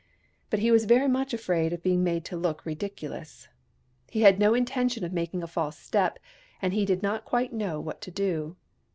But he was very much afraid of being made to look ridiculous. H2 had no intention of making a false step, and he d^d not quite know what to do.